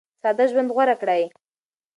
ساده ژوند غوره کړئ.